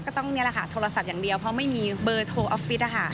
ก็ต้องนี่แหละค่ะโทรศัพท์อย่างเดียวเพราะไม่มีเบอร์โทรออฟฟิศ